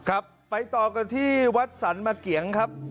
ครับไปต่อกันที่วัดสรรมะเกียงครับ